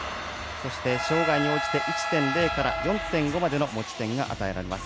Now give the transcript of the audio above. そして障がいに応じて１．０から４．５までの持ち点が与えられます。